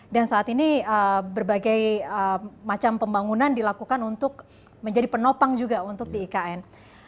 dan saat ini berbagai macam pembangunan dilakukan untuk menjadi penopang juga untuk di ikn